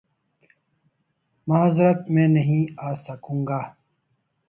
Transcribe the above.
معذرت میں نہیں آسکوں گا